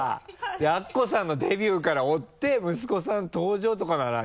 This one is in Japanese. アッコさんのデビューから追って息子さん登場とかならね